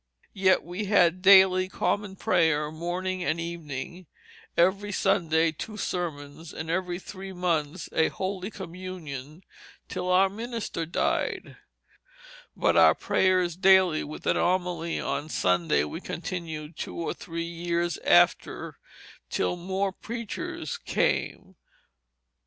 "Yet we had daily Common Prayer morning and evening; every Sunday two sermons; and every three months a holy Communion till our Minister died: but our Prayers daily with an Homily on Sundays we continued two or three years after, till more Preachers came."